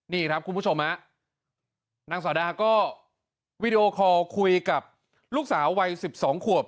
นี่ครับคุณผู้ชมฮะนางสาวดาก็วีดีโอคอลคุยกับลูกสาววัย๑๒ขวบ